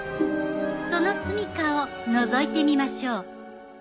その住みかをのぞいてみましょう。